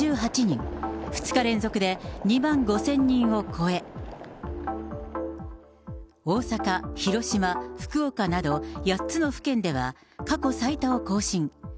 ２日連続で２万５０００人を超え、大阪、広島、福岡など、８つの府県では過去最多を更新。